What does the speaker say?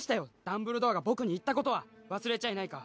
ダンブルドアが僕に言ったことは忘れちゃいないか？